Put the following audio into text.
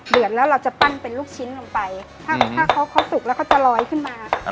เดือดแล้วเราจะปั้นเป็นลูกชิ้นลงไปถ้าเขาสุกแล้วเขาจะลอยขึ้นมา